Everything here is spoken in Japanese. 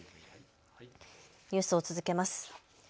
ニュースを続けます。